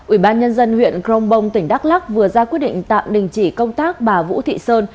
ủy ban nhân dân huyện crong bong tỉnh đắk lắc vừa ra quyết định tạm đình chỉ công tác bà vũ thị sơn